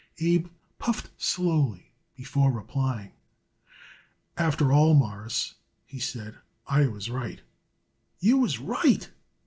Abe puffed slowly before replying. "After all, Mawruss," he said, "I was right." "You was right?"